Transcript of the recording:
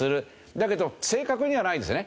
だけど正確にではないんですね。